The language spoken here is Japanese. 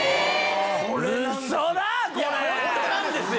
ホントなんですよ！